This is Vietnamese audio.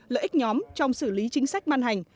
lợi ích nhóm trong xử lý chính sách ban hành